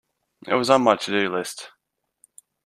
It was on my to-do list.